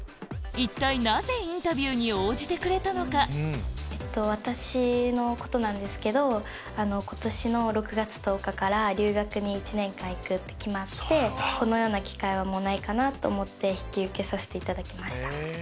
一体なぜインタビューに応じてくれたのか私のことなんですけど今年の６月１０日から留学に１年間行くって決まってこのような機会はないかと思って引き受けさせていただきました。